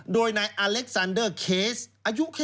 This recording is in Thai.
โดยในอเล็กซานเดอร์เคสอายุแค่๒๖ปี